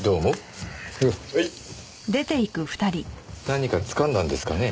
何かつかんだんですかね？